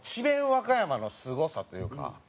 和歌山のすごさというか。